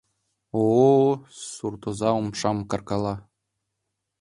— О-о... — суртоза умшам каркала.